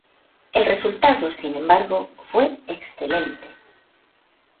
El resultado, sin embargo, fue excelente.